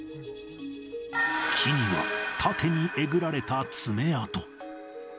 木には縦にえぐられた爪痕。